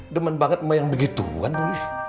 demen banget mau yang begitu kan bro